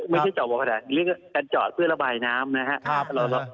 ไม่ใช่เจาะบ่อบาดานเรียกการเจาะเพื่อระบายน้ำนะครับ